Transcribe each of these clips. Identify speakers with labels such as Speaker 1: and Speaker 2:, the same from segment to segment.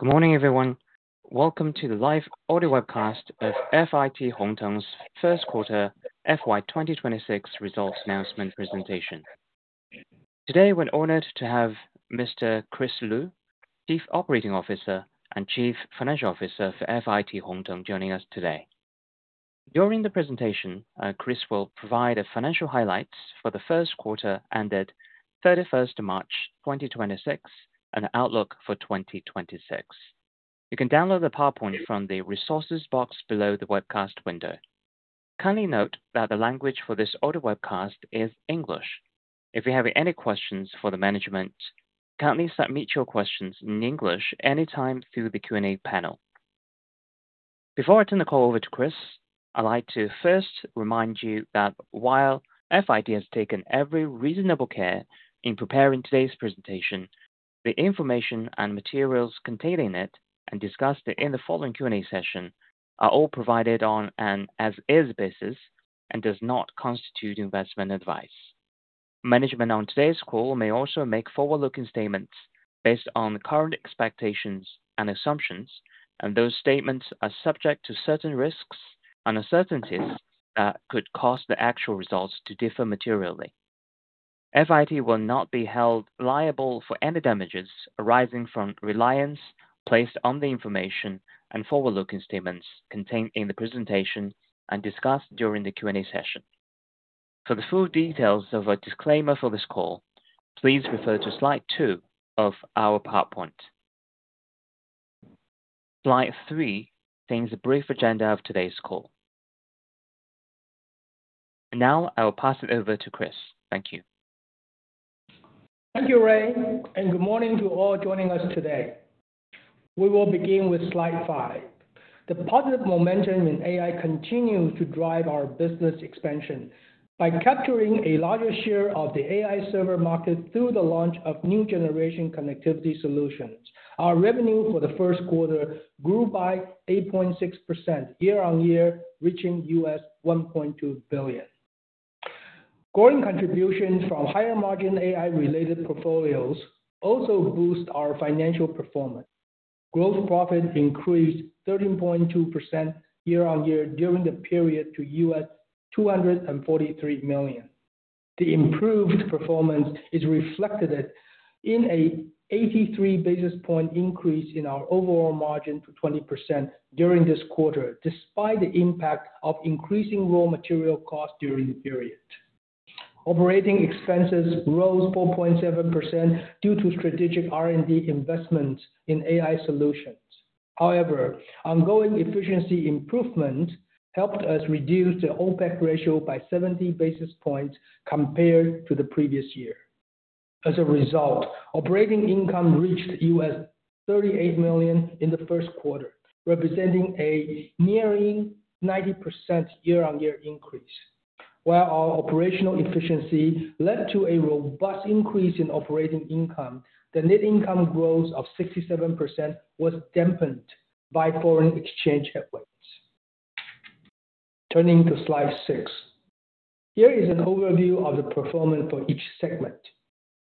Speaker 1: Good morning, everyone. Welcome to the live audio webcast of FIT Hon Teng's 1st quarter FY 2026 results announcement presentation. Today, we're honored to have Mr. Chris Lu, Chief Operating Officer and Chief Financial Officer for FIT Hon Teng, joining us today. During the presentation, Chris will provide a financial highlight for the 1st quarter ended 31st of March 2026, and outlook for 2026. You can download the PowerPoint from the Resources box below the webcast window. Kindly note that the language for this audio webcast is English. If you have any questions for the management, kindly submit your questions in English anytime through the Q&A panel. Before I turn the call over to Chris, I'd like to first remind you that while FIT has taken every reasonable care in preparing today's presentation, the information and materials contained in it and discussed in the following Q&A session are all provided on an as is basis and does not constitute investment advice. Management on today's call may also make forward-looking statements based on current expectations and assumptions, and those statements are subject to certain risks and uncertainties that could cause the actual results to differ materially. FIT will not be held liable for any damages arising from reliance placed on the information and forward-looking statements contained in the presentation and discussed during the Q&A session. For the full details of a disclaimer for this call, please refer to Slide 2 of our PowerPoint. Slide 3 contains a brief agenda of today's call. Now, I will pass it over to Chris. Thank you.
Speaker 2: Thank you, Ray, and good morning to all joining us today. We will begin with Slide 5. The positive momentum in AI continues to drive our business expansion. By capturing a larger share of the AI server market through the launch of new generation connectivity solutions, our revenue for the first quarter grew by 8.6% year-over-year, reaching $1.2 billion. Growing contribution from higher margin AI-related portfolios also boosts our financial performance. Gross profit increased 13.2% year-over-year during the period to $243 million. The improved performance is reflected in an 83 basis point increase in our overall margin to 20% during this quarter, despite the impact of increasing raw material costs during the period. Operating expenses rose 4.7% due to strategic R&D investments in AI solutions. Ongoing efficiency improvement helped us reduce the OPEX ratio by 70 basis points compared to the previous year. As a result, operating income reached $38 million in the first quarter, representing a nearing 90% year-on-year increase. Our operational efficiency led to a robust increase in operating income, the net income growth of 67% was dampened by foreign exchange headwinds. Turning to Slide 6. Here is an overview of the performance for each segment.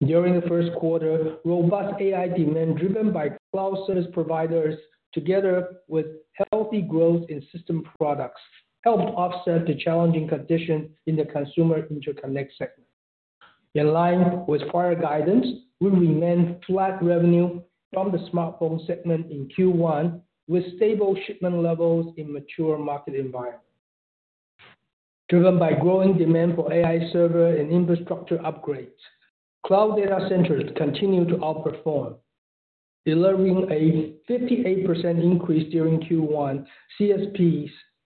Speaker 2: During the first quarter, robust AI demand driven by cloud service providers, together with healthy growth in system products, helped offset the challenging condition in the consumer interconnect segment. In line with prior guidance, we remained flat revenue from the smartphone segment in Q1, with stable shipment levels in mature market environment. Driven by growing demand for AI server and infrastructure upgrades, cloud data centers continue to outperform, delivering a 58% increase during Q1. CSPs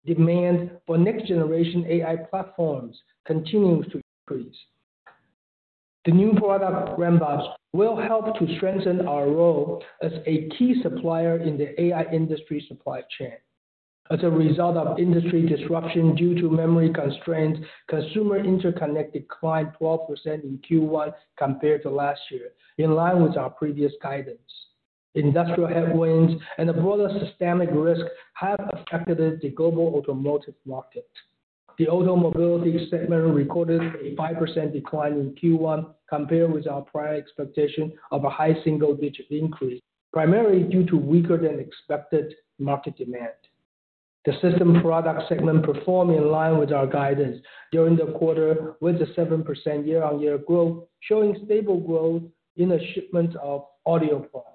Speaker 2: demand for next generation AI platforms continues to increase. The new product ramp-ups will help to strengthen our role as a key supplier in the AI industry supply chain. As a result of industry disruption due to memory constraints, consumer interconnect declined 12% in Q1 compared to last year, in line with our previous guidance. Industrial headwinds and the broader systemic risk have affected the global automotive market. The auto mobility segment recorded a 5% decline in Q1 compared with our prior expectation of a high single-digit increase, primarily due to weaker than expected market demand. The system product segment performed in line with our guidance during the quarter with a 7% year-on-year growth, showing stable growth in the shipment of audio products.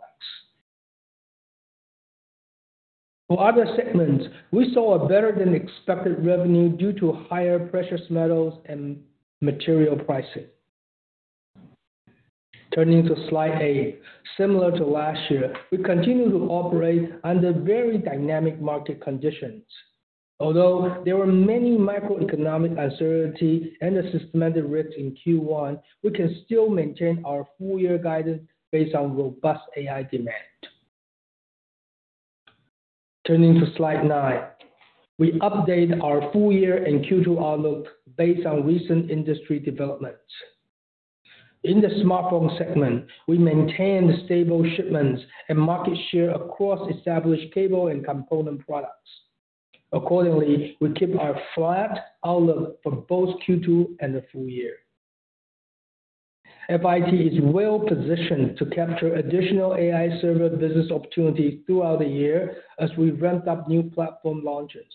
Speaker 2: For other segments, we saw a better-than-expected revenue due to higher precious metals and material pricing. Turning to Slide 8. Similar to last year, we continue to operate under very dynamic market conditions. Although there were many macroeconomic uncertainties and a systematic risk in Q1, we can still maintain our full year guidance based on robust AI demand. Turning to Slide 9. We update our full year and Q2 outlook based on recent industry developments. In the smartphone segment, we maintain the stable shipments and market share across established cable and component products. Accordingly, we keep our flat outlook for both Q2 and the full year. FIT is well positioned to capture additional AI server business opportunity throughout the year as we ramp up new platform launches.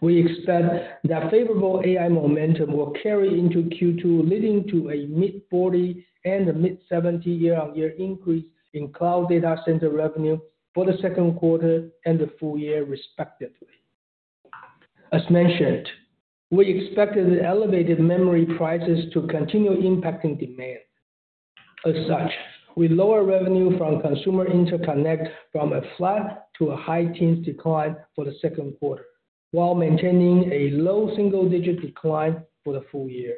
Speaker 2: We expect that favorable AI momentum will carry into Q2, leading to a mid-40% and a mid-70% year-over-year increase in cloud data center revenue for the second quarter and the full year, respectively. As mentioned, we expect the elevated memory prices to continue impacting demand. As such, we lower revenue from consumer interconnect from a flat to a high-teens decline for the second quarter, while maintaining a low single-digit decline for the full year,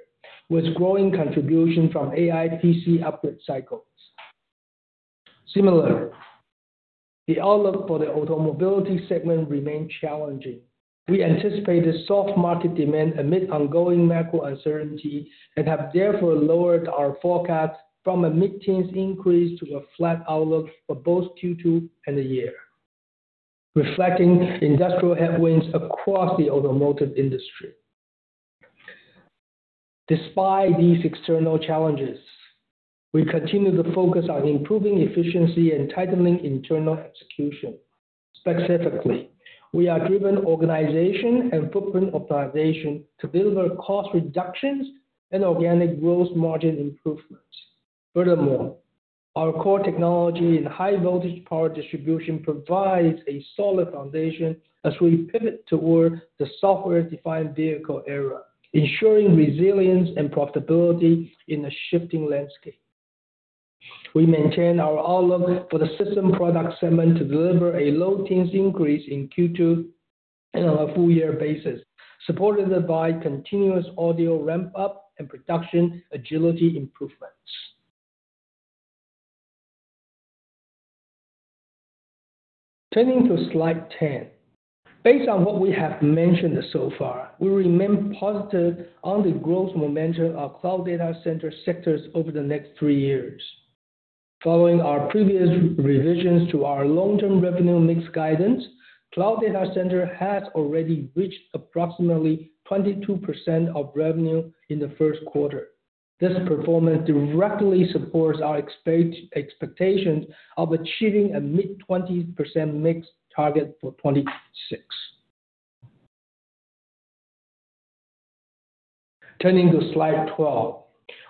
Speaker 2: with growing contribution from AI PC upward cycles. Similarly, the outlook for the automobility segment remain challenging. We anticipate a soft market demand amid ongoing macro uncertainty and have therefore lowered our forecast from mid-teens increase to a flat outlook for both Q2 and the year, reflecting industrial headwinds across the automotive industry. Despite these external challenges, we continue to focus on improving efficiency and tightening internal execution. Specifically, we are driven organization and footprint optimization to deliver cost reductions and organic growth margin improvements. Our core technology in high voltage power distribution provides a solid foundation as we pivot toward the software-defined vehicle era, ensuring resilience and profitability in a shifting landscape. We maintain our outlook for the system product segment to deliver a low teen increase in Q2 and on a full year basis, supported by continuous audio ramp-up and production agility improvements. Turning to Slide 10. Based on what we have mentioned so far, we remain positive on the growth momentum of cloud data center sectors over the next three years. Following our previous revisions to our long-term revenue mix guidance, cloud data center has already reached approximately 22% of revenue in Q1. This performance directly supports our expectations of achieving a mid 20% mix target for 2026. Turning to Slide 12.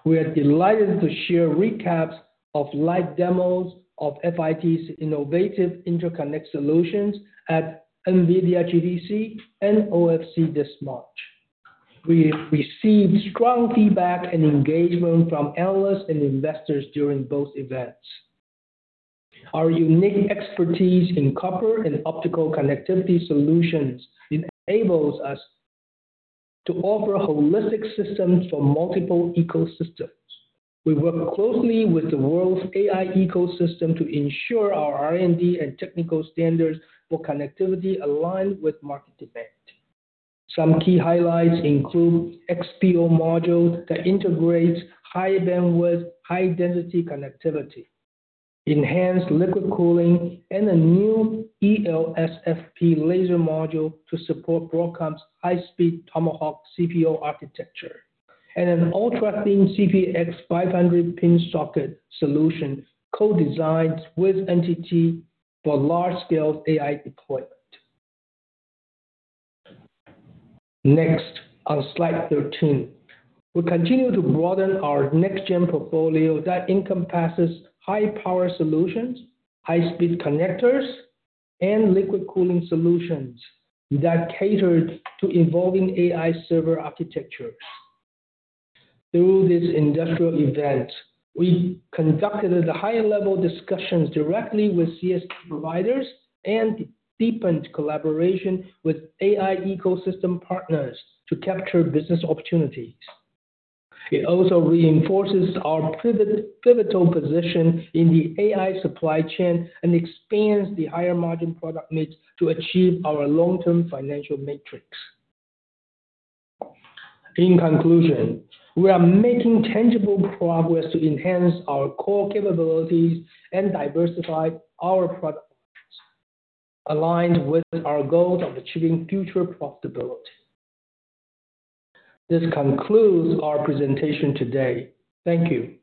Speaker 2: We are delighted to share recaps of live demos of FIT's innovative interconnect solutions at NVIDIA GTC and OFC this March. We received strong feedback and engagement from analysts and investors during both events. Our unique expertise in copper and optical connectivity solutions enables us to offer holistic systems for multiple ecosystems. We work closely with the world's AI ecosystem to ensure our R&D and technical standards for connectivity align with market demand. Some key highlights include XPO module that integrates high bandwidth, high density connectivity, enhanced liquid cooling, and a new ELSFP laser module to support Broadcom's high-speed Tomahawk CPO architecture, and an ultra-thin CPX 500-pin socket solution co-designed with NTT for large scale AI deployment. On Slide 13. We continue to broaden our next-gen portfolio that encompasses high power solutions, high speed connectors, and liquid cooling solutions that cater to evolving AI server architectures. Through this industrial event, we conducted high-level discussions directly with CSP providers and deepened collaboration with AI ecosystem partners to capture business opportunities. It also reinforces our pivotal position in the AI supply chain and expands the higher margin product mix to achieve our long-term financial metrics. In conclusion, we are making tangible progress to enhance our core capabilities and diversify our product mix, aligned with our goal of achieving future profitability. This concludes our presentation today. Thank you.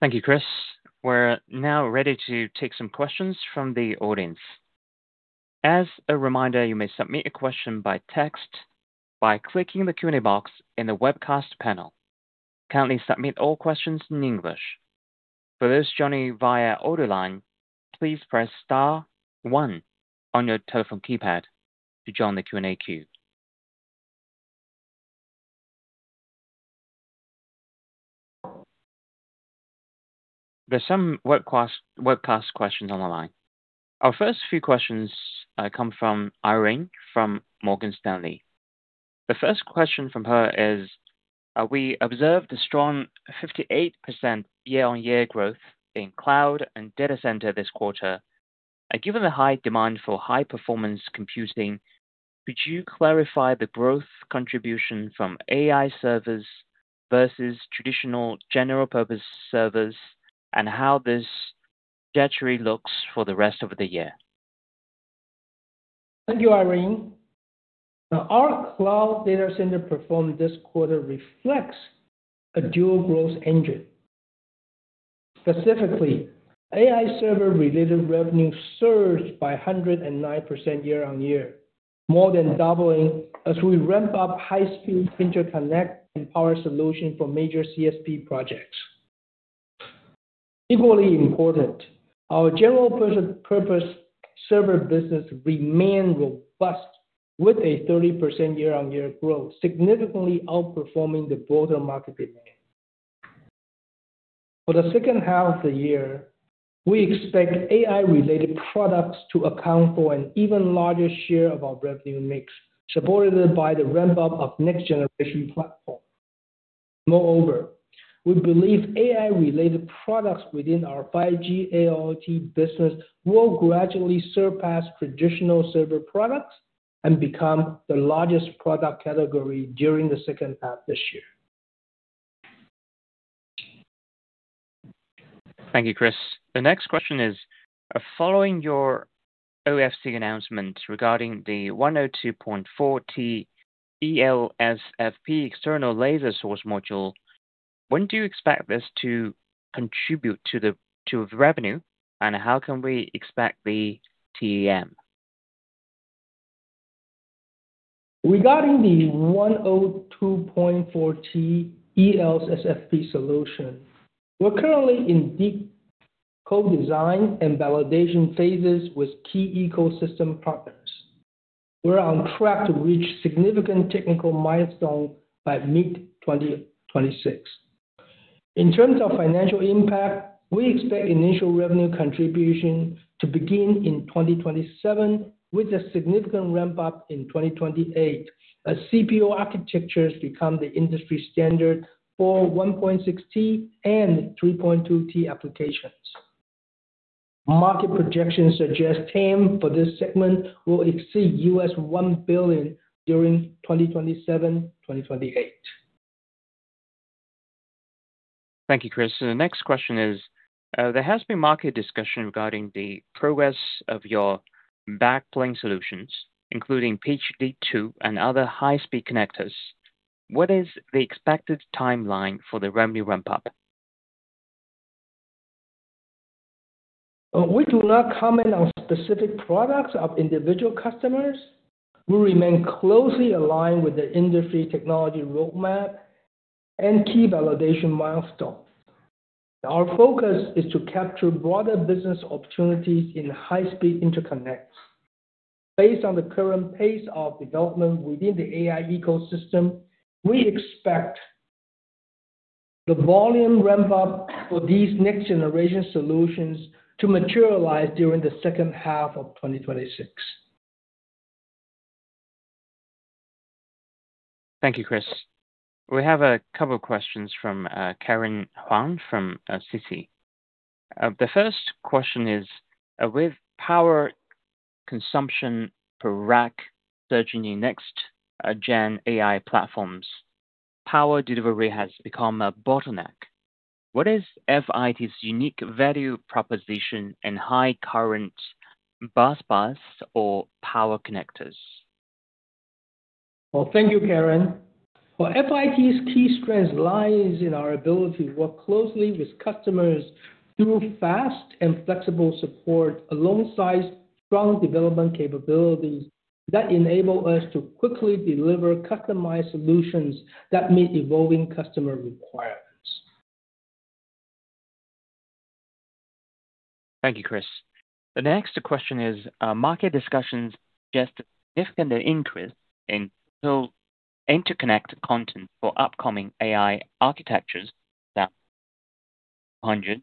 Speaker 1: Thank you, Chris. We are now ready to take some questions from the audience. As a reminder, you may submit a question by text by clicking the Q&A box in the webcast panel. Kindly submit all questions in English. For those joining via order line, please press star one on your telephone keypad to join the Q&A queue. There is some webcast questions on the line. Our first few questions come from Irene from Morgan Stanley. The first question from her is, we observed a strong 58% year-over-year growth in cloud and data center this quarter. Given the high demand for high performance computing, could you clarify the growth contribution from AI servers versus traditional general-purpose servers and how this trajectory looks for the rest of the year?
Speaker 2: Thank you, Irene. Now, our cloud data center performance this quarter reflects a dual growth engine. Specifically, AI server-related revenue surged by 109% year-on-year, more than doubling as we ramp up high-speed interconnect and power solution for major CSP projects. Equally important, our general-purpose server business remain robust with a 30% year-on-year growth, significantly outperforming the broader market demand. For the second half of the year, we expect AI-related products to account for an even larger share of our revenue mix, supported by the ramp up of next-generation platform. Moreover, we believe AI-related products within our 5G AIoT business will gradually surpass traditional server products and become the largest product category during the second half this year.
Speaker 1: Thank you, Chris. The next question is, following your OFC announcement regarding the 102.4T ELSFP external laser source module, when do you expect this to contribute to the revenue, and how can we expect the TAM?
Speaker 2: Regarding the 102.4T ELSFP solution, we're currently in deep co-design and validation phases with key ecosystem partners. We're on track to reach significant technical milestone by mid-2026. In terms of financial impact, we expect initial revenue contribution to begin in 2027, with a significant ramp up in 2028 as CPO architectures become the industry standard for 1.6T and 3.2T applications. Market projections suggest TAM for this segment will exceed $1 billion during 2027-2028.
Speaker 1: Thank you, Chris. The next question is, there has been market discussion regarding the progress of your backplane solutions, including PCIe Gen 2 and other high-speed connectors. What is the expected timeline for the revenue ramp up?
Speaker 2: We do not comment on specific products of individual customers. We remain closely aligned with the industry technology roadmap and key validation milestones. Our focus is to capture broader business opportunities in high-speed interconnects. Based on the current pace of development within the AI ecosystem, we expect the volume ramp up for these next-generation solutions to materialize during the second half of 2026.
Speaker 1: Thank you, Chris. We have a couple of questions from Karen Huang from Citi. The first question is, with power consumption per rack surging in next gen AI platforms, power delivery has become a bottleneck. What is FIT's unique value proposition in high current bus bars or power connectors?
Speaker 2: Well, thank you, Karen. Well, FIT's key strength lies in our ability to work closely with customers through fast and flexible support, alongside strong development capabilities that enable us to quickly deliver customized solutions that meet evolving customer requirements.
Speaker 1: Thank you, Chris. The next question is, market discussions suggest a significant increase in total interconnect content for upcoming AI architectures that 100.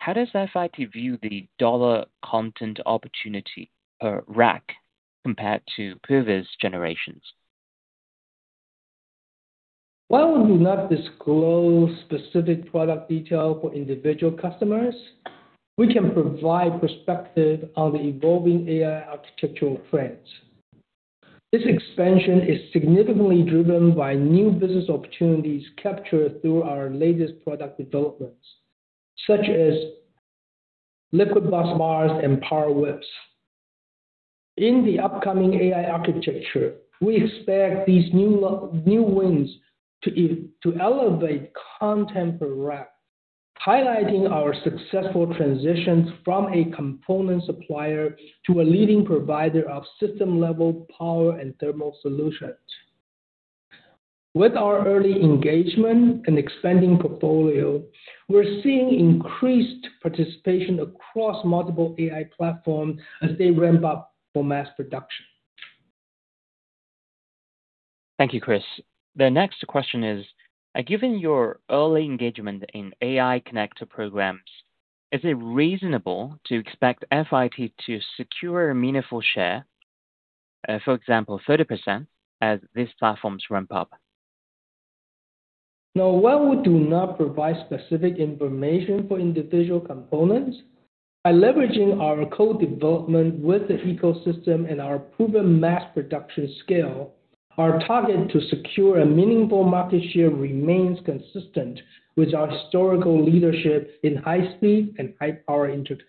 Speaker 1: How does FIT view the dollar content opportunity per rack compared to previous generations?
Speaker 2: While we do not disclose specific product detail for individual customers, we can provide perspective on the evolving AI architectural trends. This expansion is significantly driven by new business opportunities captured through our latest product developments, such as liquid bus bars and power whips. In the upcoming AI architecture, we expect these new wins to elevate content per rack, highlighting our successful transitions from a component supplier to a leading provider of system-level power and thermal solutions. With our early engagement and expanding portfolio, we are seeing increased participation across multiple AI platforms as they ramp up for mass production.
Speaker 1: Thank you, Chris. The next question is, given your early engagement in AI connector programs, is it reasonable to expect FIT to secure a meaningful share, for example, 30% as these platforms ramp up?
Speaker 2: While we do not provide specific information for individual components, by leveraging our co-development with the ecosystem and our proven mass production scale. Our target to secure a meaningful market share remains consistent with our historical leadership in high-speed and high-power interconnects.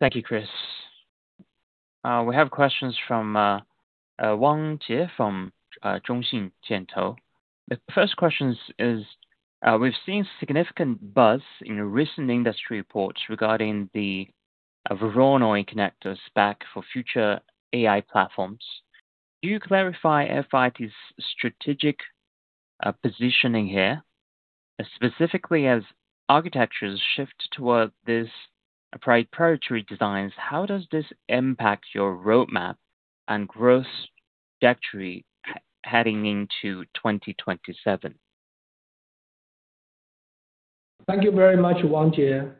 Speaker 1: Thank you, Chris. We have questions from Wang Jie from Zhongxin Jiantou. The first question is, we've seen significant buzz in recent industry reports regarding the Voronoi connector spec for future AI platforms. Do you clarify FIT's strategic positioning here, specifically as architectures shift toward these proprietary designs, how does this impact your roadmap and growth trajectory heading into 2027?
Speaker 2: Thank you very much, Wang Jie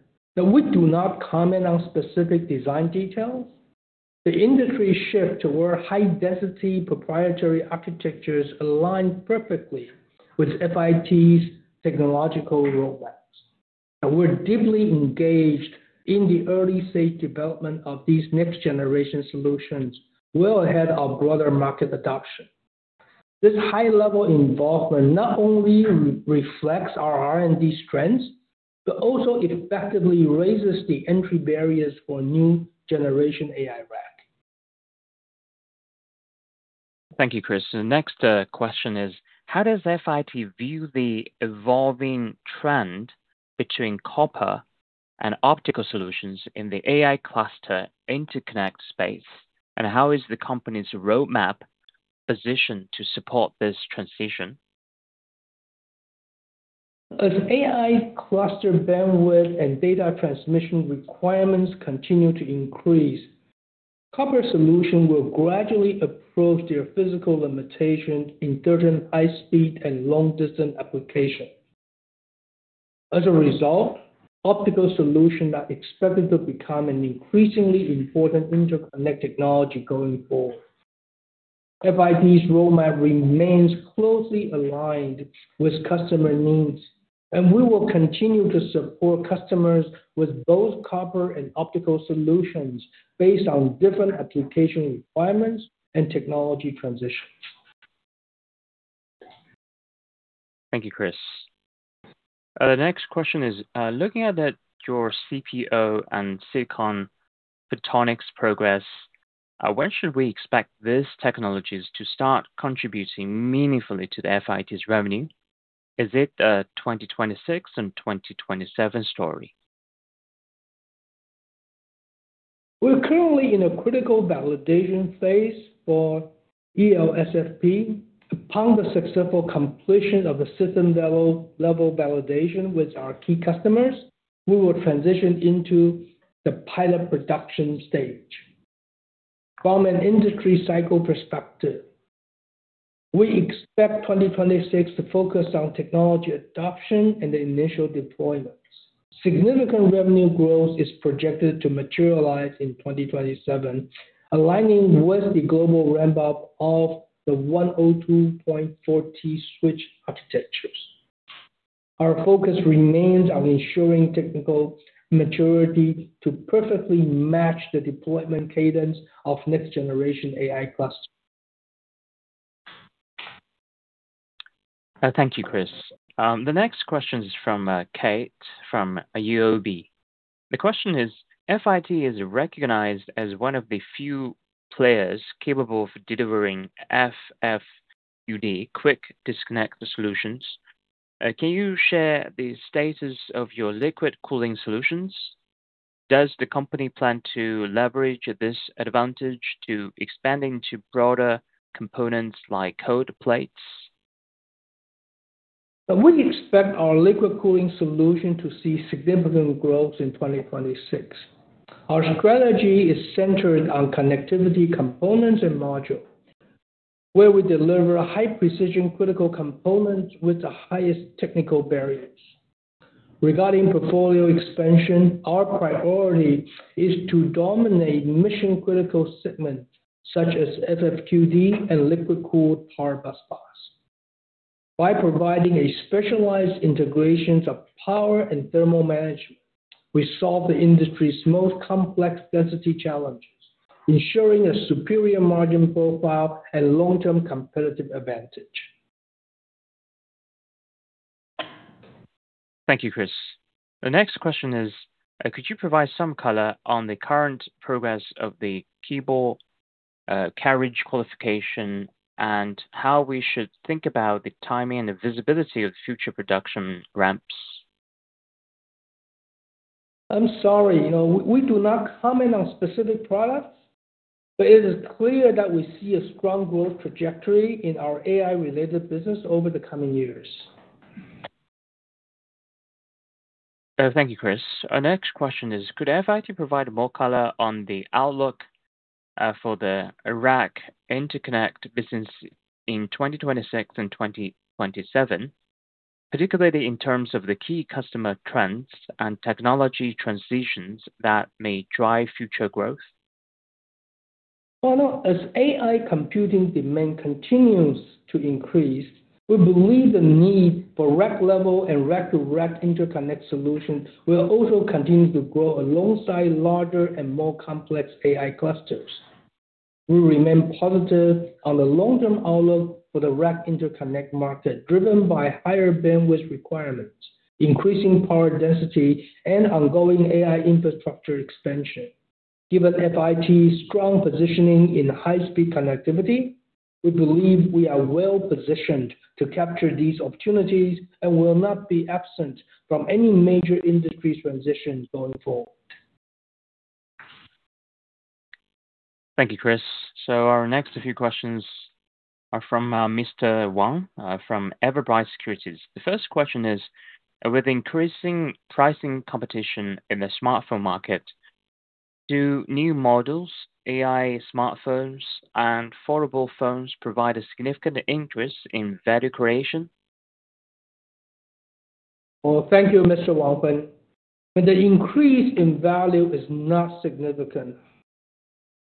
Speaker 2: We do not comment on specific design details. The industry shift toward high-density proprietary architectures align perfectly with FIT's technological roadmaps. We're deeply engaged in the early stage development of these next generation solutions well ahead of broader market adoption. This high-level involvement not only reflects our R&D strengths, but also effectively raises the entry barriers for new generation AI rack.
Speaker 1: Thank you, Chris. The next question is, how does FIT view the evolving trend between copper and optical solutions in the AI cluster interconnect space? How is the company's roadmap positioned to support this transition?
Speaker 2: As AI cluster bandwidth and data transmission requirements continue to increase, copper solutions will gradually approach their physical limitation in certain high-speed and long-distance applications. As a result, optical solutions are expected to become an increasingly important interconnect technology going forward. FIT's roadmap remains closely aligned with customer needs, and we will continue to support customers with both copper and optical solutions based on different application requirements and technology transitions.
Speaker 1: Thank you, Chris. The next question is, looking at your CPO and silicon photonics progress, when should we expect these technologies to start contributing meaningfully to the FIT's revenue? Is it a 2026 and 2027 story?
Speaker 2: We're currently in a critical validation phase for ELSFP. Upon the successful completion of a system level validation with our key customers, we will transition into the pilot production stage. From an industry cycle perspective, we expect 2026 to focus on technology adoption and the initial deployments. Significant revenue growth is projected to materialize in 2027, aligning with the global ramp up of the 102.4T switch architectures. Our focus remains on ensuring technical maturity to perfectly match the deployment cadence of next generation AI cluster.
Speaker 1: Thank you, Chris. The next question is from Kate from UOB. The question is, FIT is recognized as one of the few players capable of delivering FFQD quick disconnect solutions. Can you share the status of your liquid cooling solutions? Does the company plan to leverage this advantage to expand into broader components like cold plates?
Speaker 2: We expect our liquid cooling solution to see significant growth in 2026. Our strategy is centered on connectivity components and module, where we deliver high precision critical components with the highest technical barriers. Regarding portfolio expansion, our priority is to dominate mission-critical segments such as FFQD and liquid-cooled power bus bars. By providing a specialized integration of power and thermal management, we solve the industry's most complex density challenges, ensuring a superior margin profile and long-term competitive advantage.
Speaker 1: Thank you, Chris. The next question is, could you provide some color on the current progress of the cable carriage qualification and how we should think about the timing and the visibility of future production ramps?
Speaker 2: I'm sorry. You know, we do not comment on specific products, but it is clear that we see a strong growth trajectory in our AI-related business over the coming years.
Speaker 1: Thank you, Chris. Our next question is, could FIT provide more color on the outlook for the rack interconnect business in 2026 and 2027, particularly in terms of the key customer trends and technology transitions that may drive future growth?
Speaker 2: Well, as AI computing demand continues to increase, we believe the need for rack level and rack-to-rack interconnect solutions will also continue to grow alongside larger and more complex AI clusters. We remain positive on the long-term outlook for the rack interconnect market, driven by higher bandwidth requirements, increasing power density, and ongoing AI infrastructure expansion. Given FIT's strong positioning in high-speed connectivity, we believe we are well-positioned to capture these opportunities and will not be absent from any major industry transitions going forward.
Speaker 1: Thank you, Chris. Our next few questions are from Mr. Wang from Everbright Securities. The first question is, with increasing pricing competition in the smartphone market, do new models, AI smartphones and foldable phones provide a significant increase in value creation?
Speaker 2: Well, thank you, Mr. Wang Yifeng. The increase in value is not significant.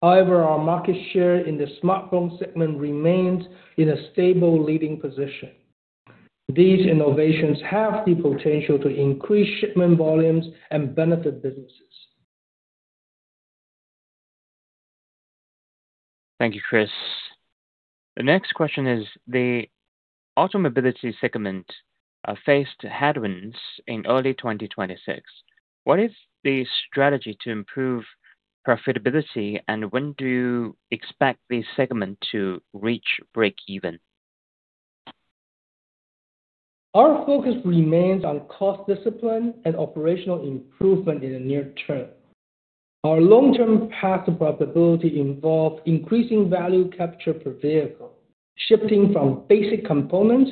Speaker 2: However, our market share in the smartphone segment remains in a stable leading position. These innovations have the potential to increase shipment volumes and benefit businesses.
Speaker 1: Thank you, Chris. The next question is, the auto mobility segment faced headwinds in early 2026. What is the strategy to improve profitability and when do you expect this segment to reach breakeven?
Speaker 2: Our focus remains on cost discipline and operational improvement in the near term. Our long-term path to profitability involves increasing value capture per vehicle, shifting from basic components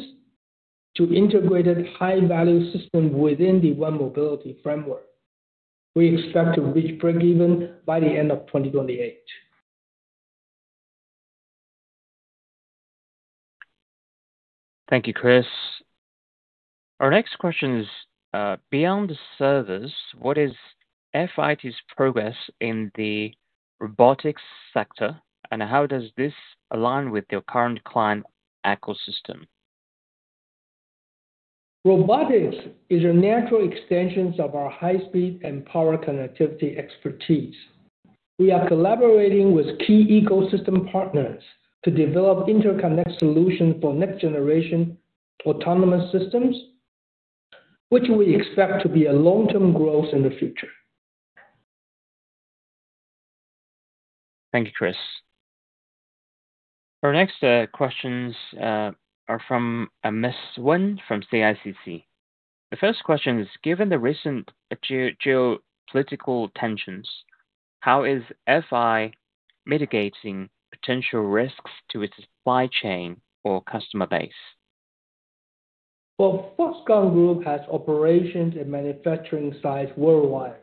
Speaker 2: to integrated high-value system within the One Mobility framework. We expect to reach breakeven by the end of 2028.
Speaker 1: Thank you, Chris. Our next question is, beyond the servers, what is FIT's progress in the robotics sector, and how does this align with your current client ecosystem?
Speaker 2: Robotics is a natural extension of our high speed and power connectivity expertise. We are collaborating with key ecosystem partners to develop interconnect solutions for next generation autonomous systems, which we expect to be a long-term growth in the future.
Speaker 1: Thank you, Chris. Our next questions are from a Ms. Wen from CICC. The first question is, given the recent geopolitical tensions, how is FIT mitigating potential risks to its supply chain or customer base?
Speaker 2: Well, Foxconn group has operations and manufacturing sites worldwide,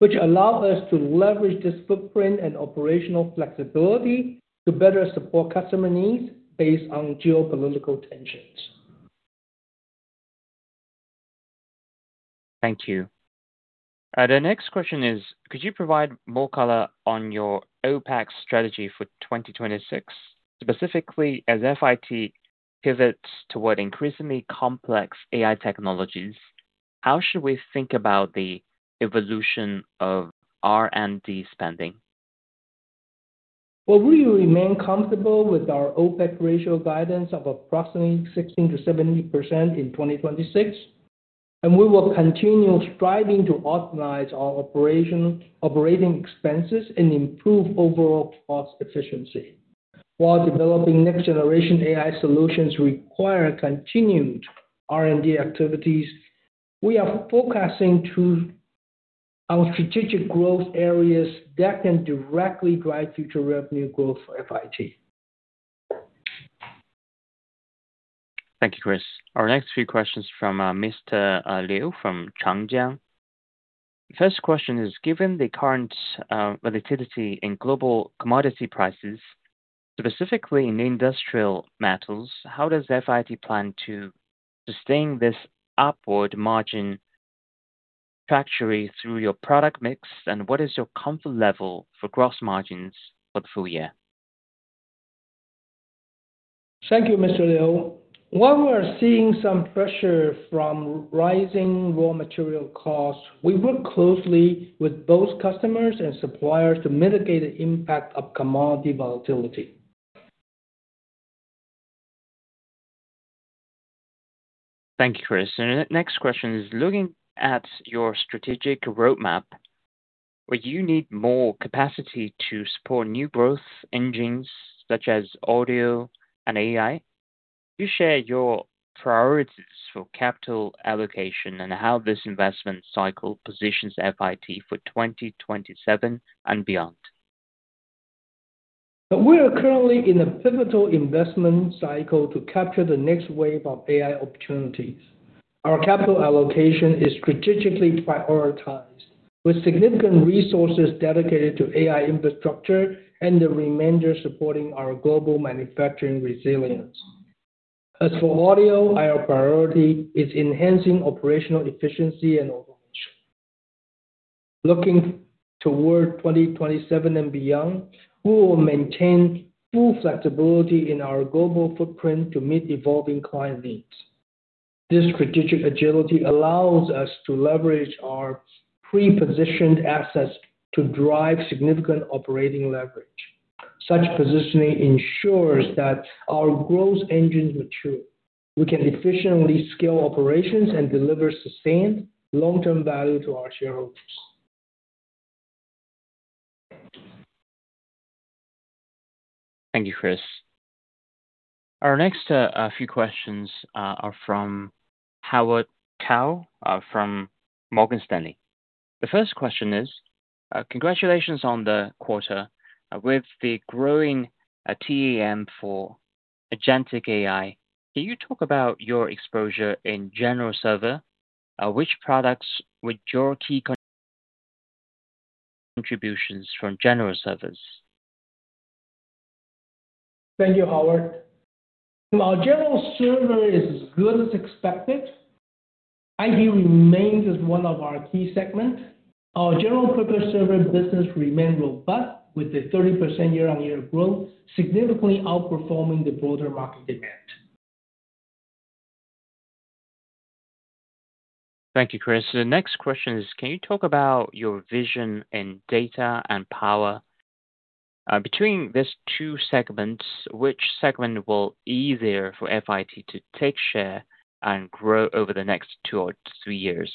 Speaker 2: which allow us to leverage this footprint and operational flexibility to better support customer needs based on geopolitical tensions.
Speaker 1: Thank you. The next question is, could you provide more color on your OPEX strategy for 2026? Specifically, as FIT pivots toward increasingly complex AI technologies, how should we think about the evolution of R&D spending?
Speaker 2: Well, we remain comfortable with our OPEX ratio guidance of approximately 16%-70% in 2026, and we will continue striving to optimize our operation, operating expenses and improve overall cost efficiency. While developing next generation AI solutions require continued R&D activities, we are forecasting to our strategic growth areas that can directly drive future revenue growth for FIT.
Speaker 1: Thank you, Chris. Our next few questions from Mr. Liu from Changjiang. First question is, given the current volatility in global commodity prices, specifically in industrial metals, how does FIT plan to sustain this upward margin trajectory through your product mix, and what is your comfort level for gross margins for the full year?
Speaker 2: Thank you, Mr. Liu. While we are seeing some pressure from rising raw material costs, we work closely with both customers and suppliers to mitigate the impact of commodity volatility.
Speaker 1: Thank you, Chris. The next question is, looking at your strategic roadmap, where you need more capacity to support new growth engines such as audio and AI, could you share your priorities for capital allocation and how this investment cycle positions FIT for 2027 and beyond?
Speaker 2: We are currently in a pivotal investment cycle to capture the next wave of AI opportunities. Our capital allocation is strategically prioritized, with significant resources dedicated to AI infrastructure and the remainder supporting our global manufacturing resilience. As for OPEX, our priority is enhancing operational efficiency. Looking toward 2027 and beyond, we will maintain full flexibility in our global footprint to meet evolving client needs. This strategic agility allows us to leverage our pre-positioned assets to drive significant operating leverage. Such positioning ensures that our growth engines mature. We can efficiently scale operations and deliver sustained long-term value to our shareholders.
Speaker 1: Thank you, Chris. Our next few questions are from Howard Kao from Morgan Stanley. The first question is, congratulations on the quarter. With the growing TAM for agentic AI, can you talk about your exposure in general server? Which products were your key contributions from general servers?
Speaker 2: Thank you, Howard. Our general server is as good as expected. IT remains as one of our key segments. Our general-purpose server business remains robust, with a 30% year-on-year growth, significantly outperforming the broader market demand.
Speaker 1: Thank you, Chris. The next question is, can you talk about your vision in data and power? Between these two segments, which segment will easier for FIT to take share and grow over the next two or three years?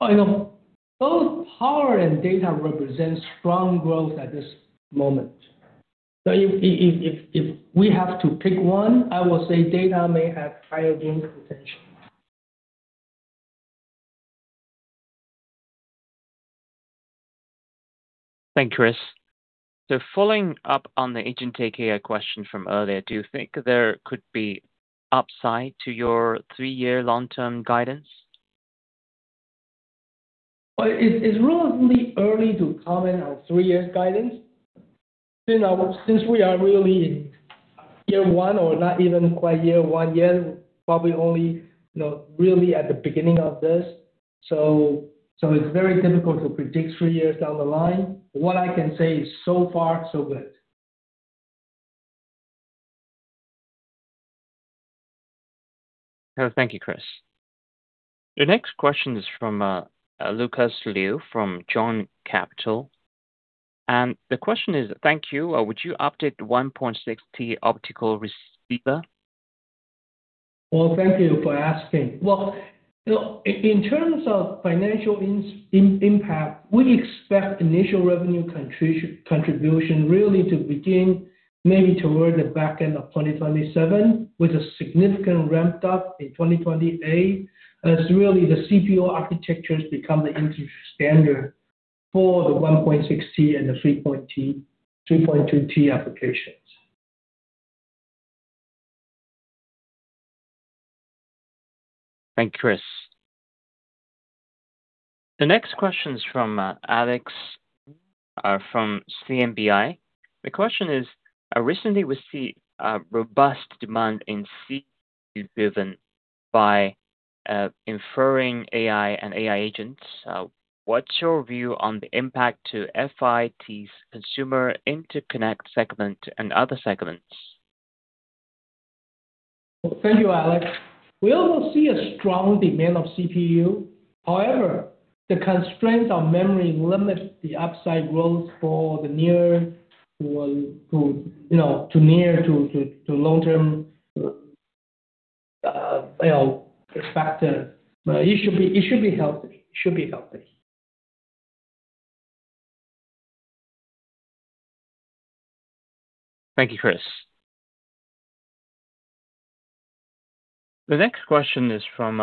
Speaker 2: You know, both power and data represent strong growth at this moment. If we have to pick one, I would say data may have higher growth potential.
Speaker 1: Thanks, Chris. Following up on the agentic AI question from earlier, do you think there could be upside to your three-year long-term guidance?
Speaker 2: Well, it's relatively early to comment on three years guidance. You know, since we are really in year one or not even quite year one yet, probably only, you know, really at the beginning of this. It's very difficult to predict three years down the line. What I can say is so far so good.
Speaker 1: Thank you, Chris. The next question is from Lucas Liu from John Capital. The question is, thank you, would you update 1.6T optical receiver?
Speaker 2: Well, thank you for asking. Well, you know, in terms of financial impact, we expect initial revenue contribution really to begin maybe toward the back end of 2027, with a significant ramp-up in 2028, as really the CPO architectures become the industry standard for the 1.6T and the 3.2T applications.
Speaker 1: Thanks, Chris. The next question is from Alex from CMBI. The question is, recently, we see robust demand in CPU driven by inferring AI and AI agents. What's your view on the impact to FIT's consumer interconnect segment and other segments?
Speaker 2: Thank you, Alex. We also see a strong demand of CPU. The constraints on memory limit the upside growth for the near to, you know, long-term, you know, factor. It should be healthy. It should be healthy.
Speaker 1: Thank you, Chris. The next question is from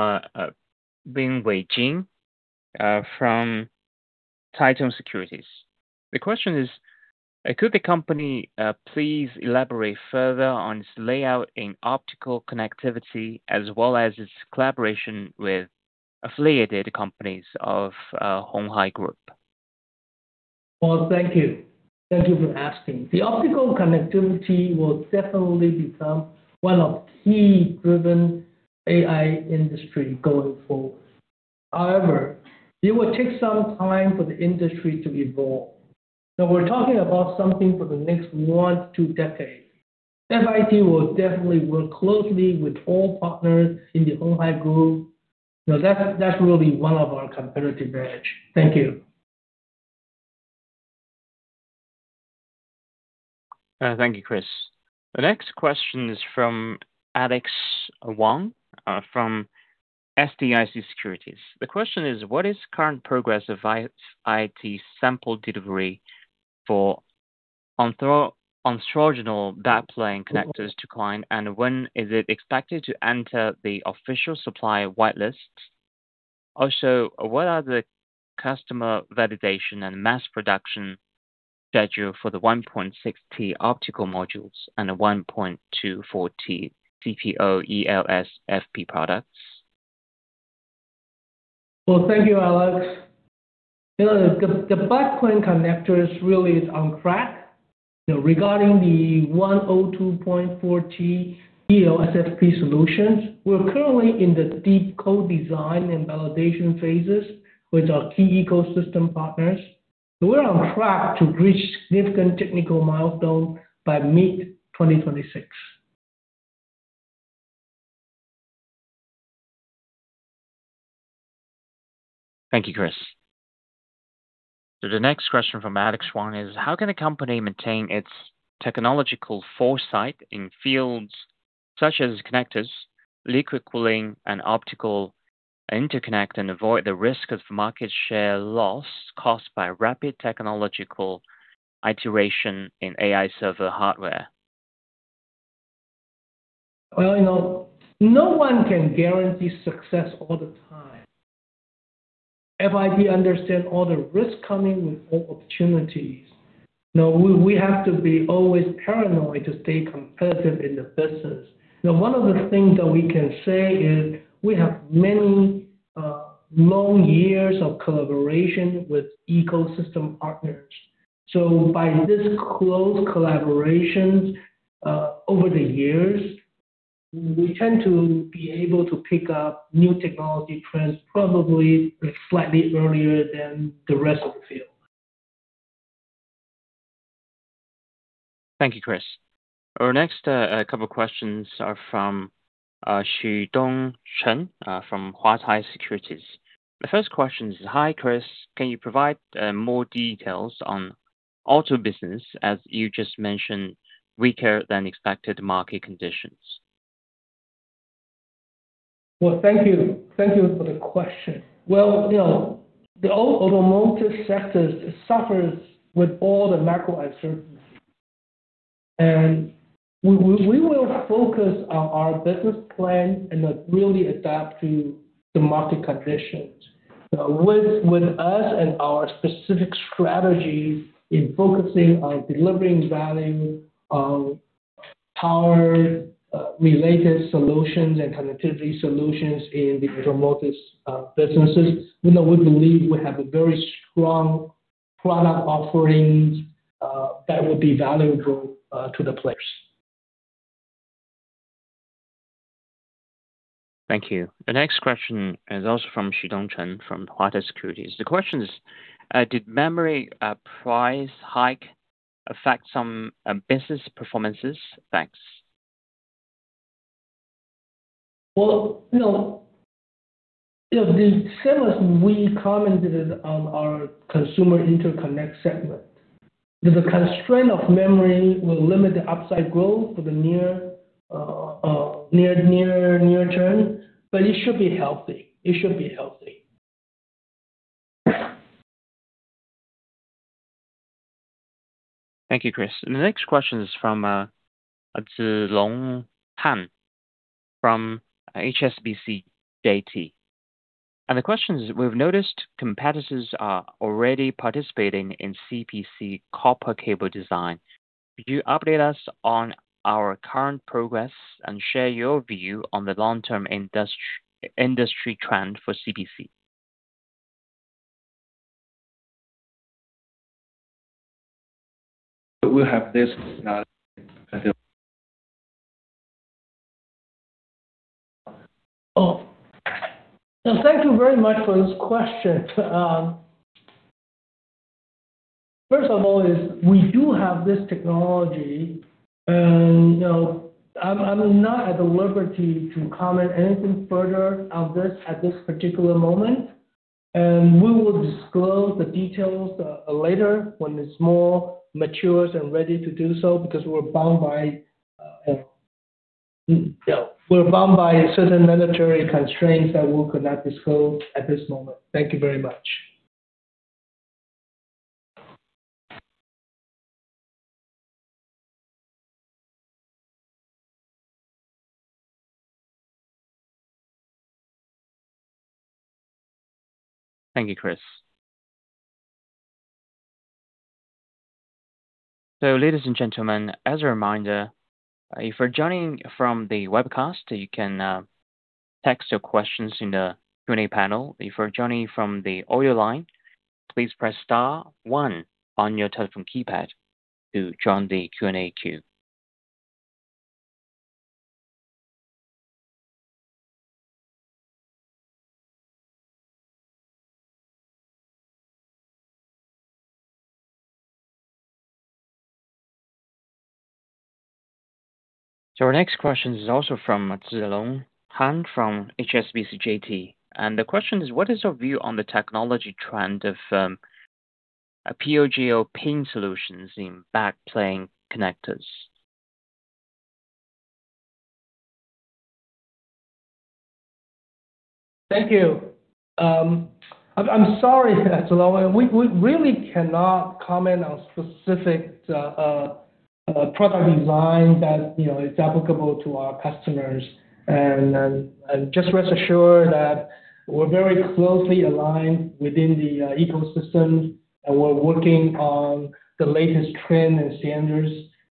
Speaker 1: Bingyi Zheng, from Triton Securities. The question is, could the company please elaborate further on its layout in optical connectivity as well as its collaboration with affiliated companies of Hon Hai Group?
Speaker 2: Well, thank you. Thank you for asking. The optical connectivity will definitely become one of key driven AI industry going forward. However, it will take some time for the industry to evolve. We're talking about something for the next one-two decades. FIT will definitely work closely with all partners in the Hon Hai Group. You know, that's really one of our competitive edges. Thank you.
Speaker 1: Thank you, Chris. The next question is from Alex Wang, from SDIC Securities. The question is, what is current progress of FIT's sample delivery for orthogonal backplane connectors to client, and when is it expected to enter the official supply whitelist? Also, what are the customer validation and mass production schedule for the 1.6T optical modules and the 102.4T CPO ELSFP products?
Speaker 2: Well, thank you, Alex. You know, the backplane connectors really is on track. You know, regarding the 102.4T ELSFP solutions, we're currently in the deep co-design and validation phases with our key ecosystem partners. We're on track to reach significant technical milestone by mid-2026.
Speaker 1: Thank you, Chris. The next question from Alex Wang is, how can a company maintain its technological foresight in fields such as connectors, liquid cooling, and optical interconnect and avoid the risk of market share loss caused by rapid technological iteration in AI server hardware?
Speaker 2: Well, you know, no one can guarantee success all the time. FIT understand all the risks coming with all opportunities. Now, we have to be always paranoid to stay competitive in the business. Now, one of the things that we can say is we have many long years of collaboration with ecosystem partners. By this close collaborations over the years, we tend to be able to pick up new technology trends probably slightly earlier than the rest of the field.
Speaker 1: Thank you, Chris. Our next couple questions are from Xudong Chen from Huatai Securities. The first question is, hi, Chris, can you provide more details on auto business, as you just mentioned, weaker than expected market conditions?
Speaker 2: Well, thank you. Thank you for the question. Well, you know, the automotive sector suffers with all the macro uncertainties. We will focus on our business plan and really adapt to the market conditions. With us and our specific strategies in focusing on delivering value, on power related solutions and connectivity solutions in the automotive businesses, you know, we believe we have a very strong product offerings that will be valuable to the players.
Speaker 1: Thank you. The next question is also from Xudong Chen from Huatai Securities. The question is, did memory price hike affect some business performances? Thanks.
Speaker 2: Well, you know, the same as we commented on our consumer interconnect segment. The constraint of memory will limit the upside growth for the near term, but it should be healthy. It should be healthy.
Speaker 1: Thank you, Chris. The next question is from Zilong Han from HSBC Jintrust. The question is, we've noticed competitors are already participating in CPO copper cable design. Could you update us on our current progress and share your view on the long-term industry trend for CPO?
Speaker 2: We have this now. Thank you very much for this question. First of all, we do have this technology and, you know, I'm not at liberty to comment anything further on this at this particular moment. We will disclose the details later when it's more matures and ready to do so because we're bound by, you know, we're bound by certain military constraints that we could not disclose at this moment. Thank you very much.
Speaker 1: Thank you, Chris. Ladies and gentlemen, as a reminder, if you're joining from the webcast, you can text your questions in the Q&A panel. If you're joining from the audio line, please press star one on your telephone keypad to join the Q&A queue. Our next question is also from Zilong Han from HSBC Jintrust. The question is, what is your view on the technology trend of a Pogo pin solutions in backplane connectors?
Speaker 2: Thank you. I'm sorry, Zilong. We really cannot comment on specific product design that, you know, is applicable to our customers. Just rest assured that we're very closely aligned within the ecosystem, and we're working on the latest trend and standards.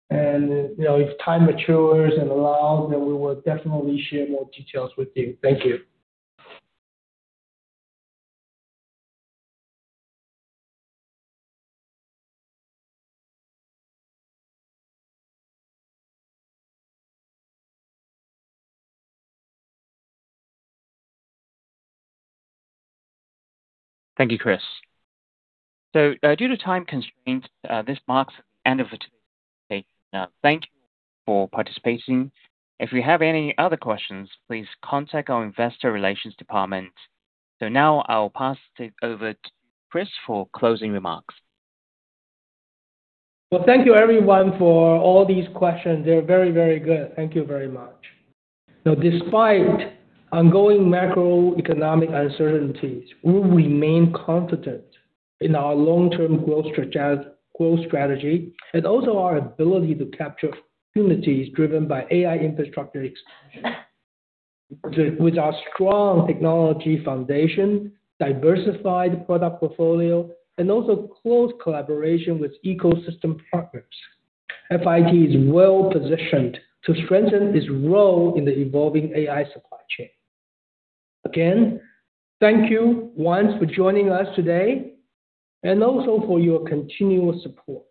Speaker 2: You know, if time matures and allows, then we will definitely share more details with you. Thank you.
Speaker 1: Thank you, Chris. Due to time constraints, this marks the end of today's call. Thank you for participating. If you have any other questions, please contact our investor relations department. Now I'll pass it over to Chris for closing remarks.
Speaker 2: Well, thank you everyone for all these questions. They're very, very good. Thank you very much. Now, despite ongoing macroeconomic uncertainties, we remain confident in our long-term growth strategy and also our ability to capture opportunities driven by AI infrastructure expansion. With our strong technology foundation, diversified product portfolio, and also close collaboration with ecosystem partners, FIT is well-positioned to strengthen its role in the evolving AI supply chain. Again, thank you once for joining us today and also for your continuous support.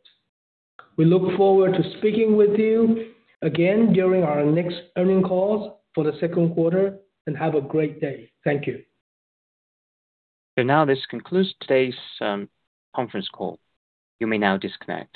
Speaker 2: We look forward to speaking with you again during our next earning calls for the second quarter and have a great day. Thank you.
Speaker 1: Now this concludes today's conference call. You may now disconnect.